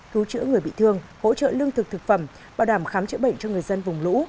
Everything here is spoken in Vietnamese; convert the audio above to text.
cứu chữa người bị thương hỗ trợ lương thực thực phẩm bảo đảm khám chữa bệnh cho người dân vùng lũ